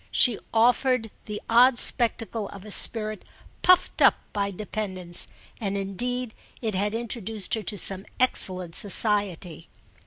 She offered the odd spectacle of a spirit puffed up by dependence, and indeed it had introduced her to some excellent society.